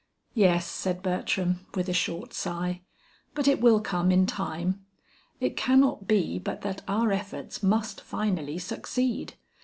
"Yes," said Bertram with a short sigh. "But it will come in time. It cannot be but that our efforts must finally succeed.